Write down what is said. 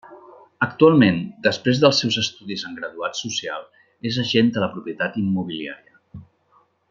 Actualment, després dels seus estudis en Graduat Social, és agent de la Propietat Immobiliària.